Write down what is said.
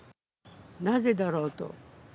なぜだろうと。